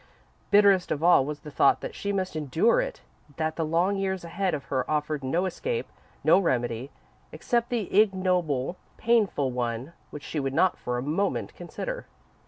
Bitterest of all was the thought that she must endure it that the long years ahead of her offered no escape, no remedy, except the ignoble, painful one which she would not for a moment consider.